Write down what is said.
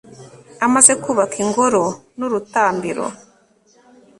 amaze kubaka ingoro n'urutambiro